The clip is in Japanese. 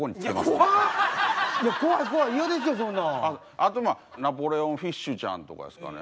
あとナポレオンフィッシュちゃんとかですかね。